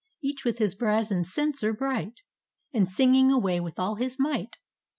Each with his brazen censer bright. And singing away with all his might.